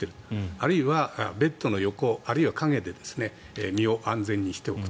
あるいは、ベッドの横あるいは陰で身を安全にしておく。